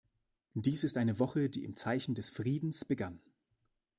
Dies ist eine Woche, die im Zeichen des Friedens begann.